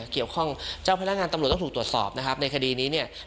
เกี่ยวข้องเจ้าพยาบาลงานตำรวจต้องถูกตรวจสอบในคดีนี้